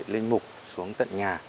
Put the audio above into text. lên mục xuống tận nhà